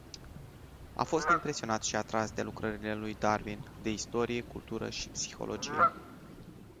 A fost impresionat și atras de lucrările lui Darwin, de istorie, cultură și psihologie.